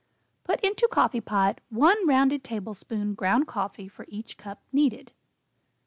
Put into coffee pot 1 rounded tablespoon ground coffee for each cup needed.